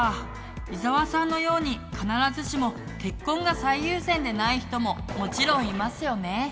伊沢さんのように必ずしも結婚が最優先でない人ももちろんいますよね。